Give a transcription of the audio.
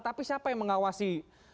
tapi siapa yang mengawasi